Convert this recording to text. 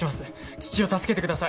父を助けてください。